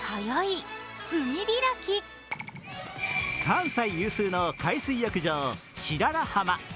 関西有数の海水浴場、白良浜。